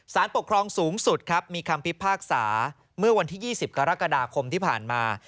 ปกครองสูงสุดครับมีคำพิพากษาเมื่อวันที่๒๐กรกฎาคมที่ผ่านมา